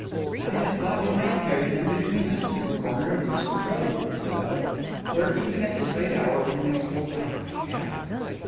'I had thought we might carry them between us to the corner of Euston Road,' said I, 'where, even at this late hour, we may still find a cab.